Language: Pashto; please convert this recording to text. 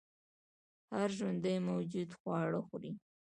هر ژوندی موجود خواړه خوري